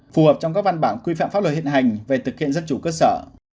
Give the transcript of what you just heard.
phù hợp trong các văn bản quy phạm pháp luật hiện hành về thực hiện dân chủ cơ sở